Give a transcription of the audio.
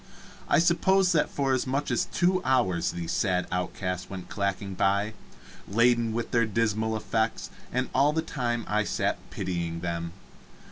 I suppose that for as much as two hours these sad outcasts went clacking by, laden with their dismal effects, and all that time I sat pitying them.